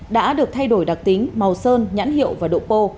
đã được thay đổi đặc tính màu sơn nhãn hiệu và độ pô